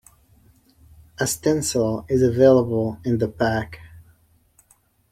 A stencil is available in the pack.